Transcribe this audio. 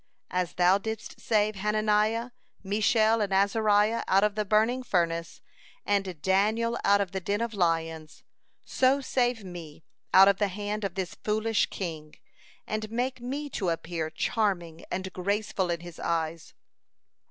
As Thou didst save Hananiah, Mishael, and Azariah out of the burning furnace, and Daniel out of the den of lions, so save me out of the hand of this foolish king, and make me to appear charming and graceful in his eyes.